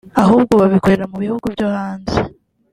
ahubwo babikorera mu bihugu byo hanze